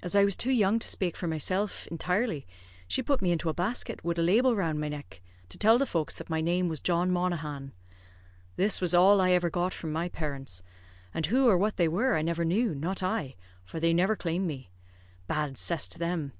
As I was too young to spake for myself intirely, she put me into a basket, wid a label round my neck, to tell the folks that my name was John Monaghan. This was all I ever got from my parents; and who or what they were, I never knew, not I, for they never claimed me; bad cess to them!